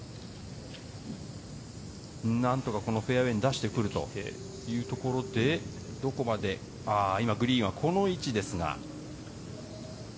何とか、このフェアウェーに出してくるというところでグリーンは、この位置ですが。